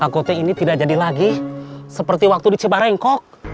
takutnya ini tidak jadi lagi seperti waktu di cibarengkok